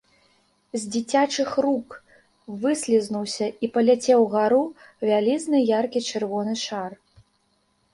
З дзіцячых рук выслізнуўся і паляцеў угару вялізны яркі чырвоны шар.